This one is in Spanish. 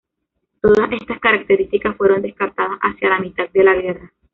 Todas estas características fueron descartadas hacia la mitad de la guerra.